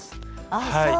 ああそう。